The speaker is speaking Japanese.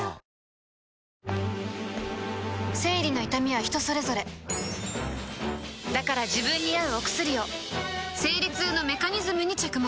生理の痛みは人それぞれだから自分に合うお薬を生理痛のメカニズムに着目